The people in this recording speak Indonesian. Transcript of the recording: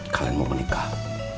kalian mau menikah